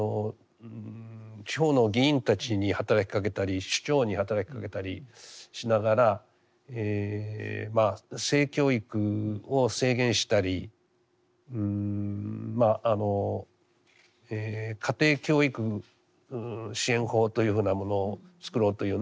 地方の議員たちに働きかけたり首長に働きかけたりしながら性教育を制限したり家庭教育支援法というふうなものを作ろうというね。